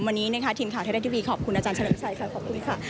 วันนี้นะคะทีมข่าวไทยรัฐทีวีขอบคุณอาจารย์เฉลิมชัยค่ะขอบคุณค่ะ